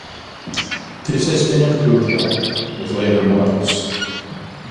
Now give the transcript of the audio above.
This has been improved on with later models.